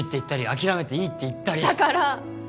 諦めていいって言ったりだから！